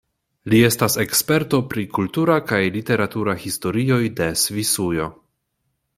Li estas eksperto pri kultura kaj literatura historioj de Svisujo.